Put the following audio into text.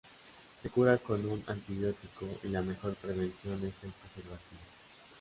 Se cura con un antibiótico y la mejor prevención es el preservativo.